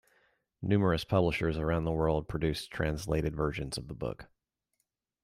Numerous publishers around the world produced translated versions of the book.